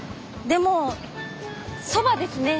でもそばですね。